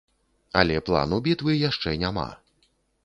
Але плану бітвы яшчэ няма.